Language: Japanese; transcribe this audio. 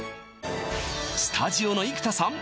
スタジオの生田さん